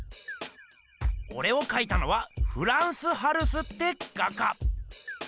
オレをかいたのはフランス・ハルスって画家。